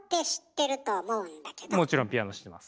もちろんピアノ知ってます。